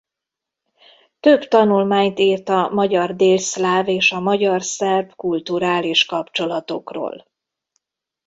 Több tanulmányt írt a magyar-délszláv és a magyar-szerb kulturális kapcsolatokról.